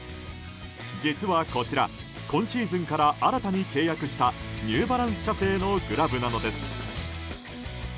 実はこちら、今シーズンから新たに契約したニューバランス社製のグラブなのです。